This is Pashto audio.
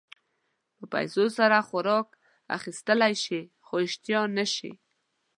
په پیسو سره خوراک اخيستلی شې خو اشتها نه شې.